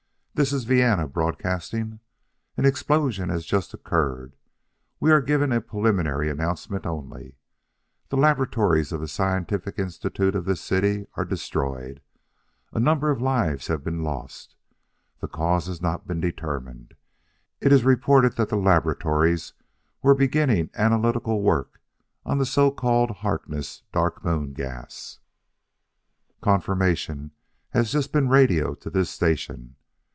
"This is Vienna broadcasting. An explosion has just occurred. We are giving a preliminary announcement only. The laboratories of the Scientific Institute of this city are destroyed. A number of lives have been lost. The cause has not been determined. It is reported that the laboratories were beginning analytical work, on the so called Harkness Dark Moon gas "Confirmation has just been radioed to this station.